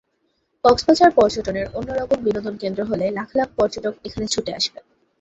কক্সবাজার পর্যটনের অন্য রকম বিনোদনকেন্দ্র হলে লাখ লাখ পর্যটক এখানে ছুটে আসবে।